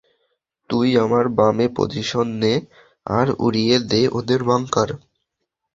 তুই আমার বামে পজিশন নে, আর উড়িয়ে দে ওদের বাঙ্কার।